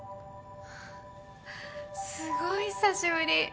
すごい久しぶり。